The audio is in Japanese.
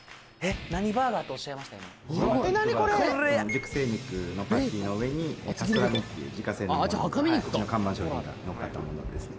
熟成肉のパティの上にパストラミっていう自家製のうちの看板商品がのっかったものですね